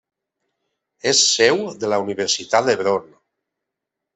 És seu de la Universitat d'Hebron.